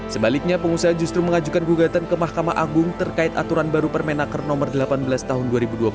sebaliknya pengusaha justru mengajukan gugatan ke mahkamah agung terkait aturan baru permenaker no delapan belas tahun dua ribu dua puluh